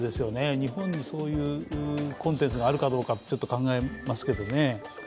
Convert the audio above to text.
日本にそういうコンテンツがあるかどうか、ちょっと考えますけどね